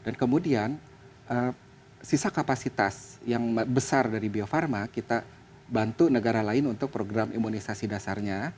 dan kemudian sisa kapasitas yang besar dari bio farma kita bantu negara lain untuk program imunisasi dasarnya